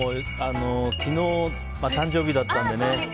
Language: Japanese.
昨日、誕生日だったのでね